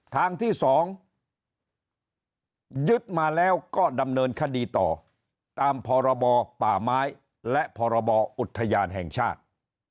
ทางที่๒ยึดมาแล้วก็ดำเนินคดีต่อตามพรบป่าไม้และพรบอุทยานแห่งชาติ